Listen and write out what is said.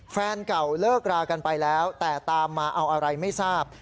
แฟนเก่าเลิกรากันไปแล้วแต่ตามมาเอาอะไรไม่ทราบ